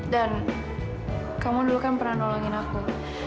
dan kamu dulu kan pernah nolongin aku